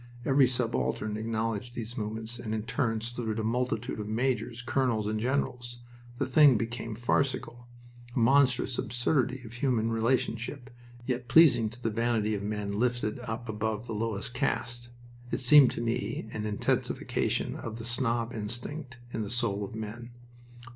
Every subaltern acknowledged these movements and in turn saluted a multitude of majors, colonels, and generals. The thing became farcical, a monstrous absurdity of human relationship, yet pleasing to the vanity of men lifted up above the lowest caste. It seemed to me an intensification of the snob instinct in the soul of man.